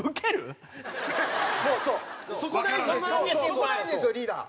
そこ大事ですよリーダー。